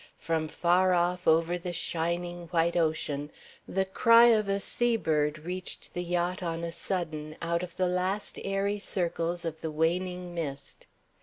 From far off over the shining white ocean, the cry of a sea bird reached the yacht on a sudden out of the last airy circles of the waning mist.